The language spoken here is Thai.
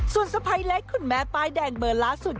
สะพัยเล็กคุณแม้ป้ายแดงเบอร์ล้าสุด